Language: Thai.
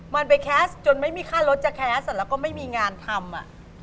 มันไปแคสต์จนไม่มีค่ารถจะแคสต์แล้วก็ไม่มีงานทำ